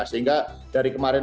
sehingga dari kemarin